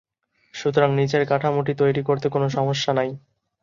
সুতরাং, নীচের কাঠামোটি তৈরি করতে কোন সমস্যা নাই।